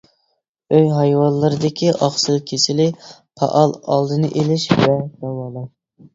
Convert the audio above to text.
ئۆي ھايۋانلىرىدىكى ئاقسىل كېسىلى پائال ئالدىنى ئېلىش ۋە داۋالاش.